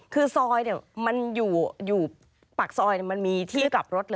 คือโซยพักโซยมันมีที่กลับรถเลย